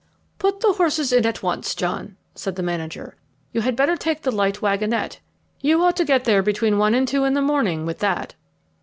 "Put the horses in at once, John," said the manager. "You had better take the light wagonette. You ought to get there between one and two in the morning with that."